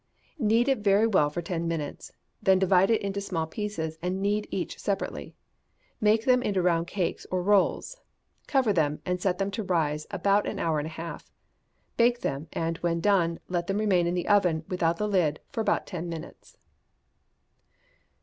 Knead it very well for ten minutes. Then divide it into small pieces, and knead each separately. Make them into round cakes or rolls. Cover them, and set them to rise about an hour and a half. Bake them, and, when done, let them remain in the oven, without the lid, for about ten minutes.